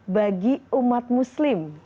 bagi umat muslim